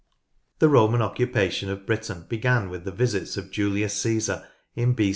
The Roman occupation of Britain began with the visits of Julius Caesar in B.